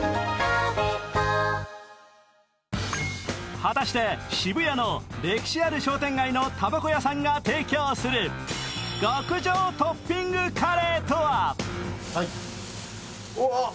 果たして、渋谷の歴史ある商店街のたばこ屋さんが提供する極上トッピングカレーとは？